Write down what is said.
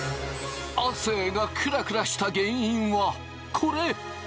亜生がクラクラした原因はこれ！